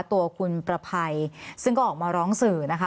ตัวคุณประภัยซึ่งก็ออกมาร้องสื่อนะคะ